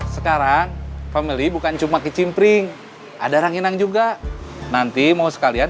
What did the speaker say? sekarang family bukan cuma kecimpring ada ranginang juga nanti mau sekalian